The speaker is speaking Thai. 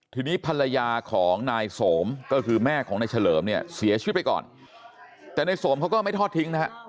ทีนี้ภรรยาของนายสมก็คือแม่ของนายเฉลิมเนี่ยเสียชีวิตไปก่อนแต่ในสมเขาก็ไม่ทอดทิ้งนะฮะ